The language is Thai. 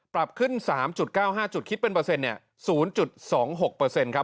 ปรับขึ้น๓๙๕จุดคิดเป็นเปอร์เซ็นต์เนี่ย๐๒๖เปอร์เซ็นต์ครับ